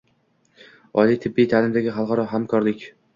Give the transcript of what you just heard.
Oliy tibbiy ta’limdagi xalqaro hamkorlikng